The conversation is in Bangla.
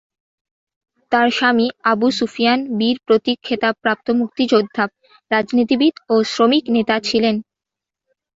তার স্বামী আবু সুফিয়ান বীর প্রতীক খেতাব প্রাপ্ত মুক্তিযোদ্ধা, রাজনীতিবিদ ও শ্রমিক নেতা ছিলেন।